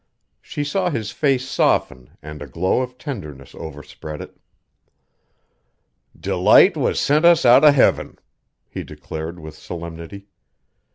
She saw his face soften and a glow of tenderness overspread it. "Delight was sent us out of heaven," he declared with solemnity.